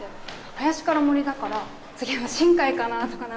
林から森だから次は新海かなーとか何とか